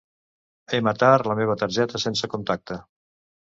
He matar la meva targeta sense contacte.